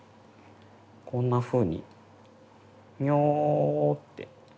こんなふうにみょって。